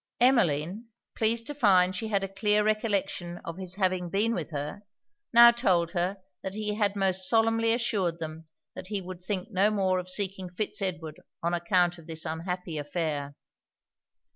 Emmeline, pleased to find she had a clear recollection of his having been with her, now told her that he had most solemnly assured them he would think no more of seeking Fitz Edward on account of this unhappy affair.